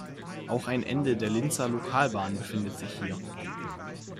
Auch ein Ende der Linzer Lokalbahn befindet sich hier.